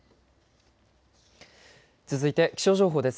続いて気象情報です。